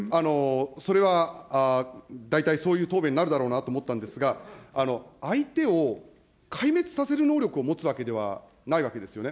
それは大体、そういう答弁になるだろうなと思ったんですが、相手を壊滅させる能力を持つわけではないわけですよね。